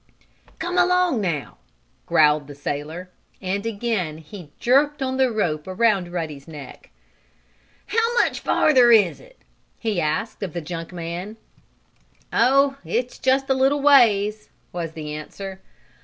"Come along now!" growled the sailor, and again he jerked on the rope around Ruddy's neck. "How much farther is it?" he asked of the junk man. "Oh, just a little ways," was the answer.